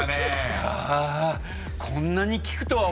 いや。